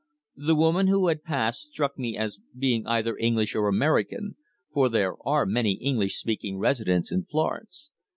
The woman who had passed struck me as being either English or American, for there are many English speaking residents in Florence.